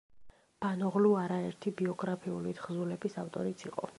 ბანოღლუ არა ერთი ბიოგრაფიული თხზულების ავტორიც იყო.